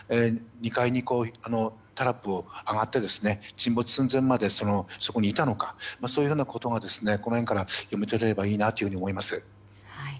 ２階に、タラップを上がって沈没寸前までそこにいたのかそういうことがこの辺から読み取れればいいと思います。